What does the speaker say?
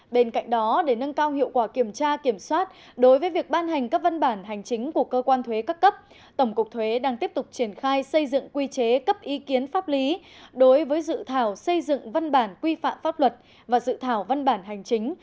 bên cạnh đó để nâng cao hiệu quả kiểm tra kiểm soát đối với việc ban hành các văn bản hành chính của cơ quan thuế các cấp tổng cục thuế đang tiếp tục triển khai xây dựng quy chế cấp ý kiến pháp lý đối với dự thảo xây dựng văn bản quy phạm pháp luật và dự thảo văn bản hành chính